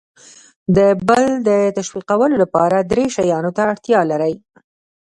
د بل د تشویقولو لپاره درې شیانو ته اړتیا لر ئ :